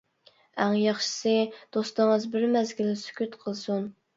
ئەڭ ياخشىسى دوستىڭىز بىر مەزگىل سۈكۈت قىلسۇن!